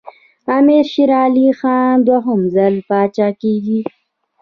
امیر شېر علي خان دوهم ځل پاچا کېږي.